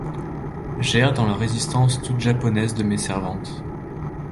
J’erre dans la résistance toute japonaise de mes servantes.